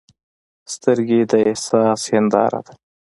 سترګې د احساس هنداره ده